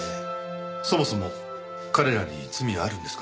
そもそも彼らに罪あるんですかね。